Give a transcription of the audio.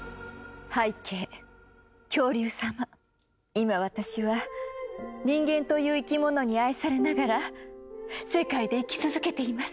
今私は人間という生き物に愛されながら世界で生き続けています。